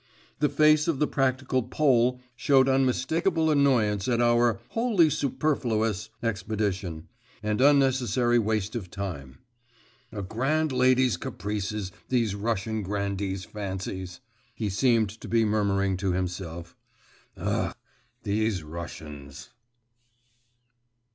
The face of the practical Pole showed unmistakeable annoyance at our 'wholly superfluous' expedition, and unnecessary waste of time.… 'A grand lady's caprices! these Russian grandees' fancies!' he seemed to be murmuring to himself.… 'Ugh, these Russians!